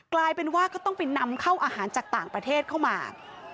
กลายเป็นว่าก็ต้องไปนำเข้าอาหารจากต่างประเทศเข้ามา